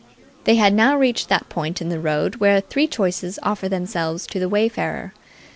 They had now reached that point in the road where three choices offer themselves to the wayfarer.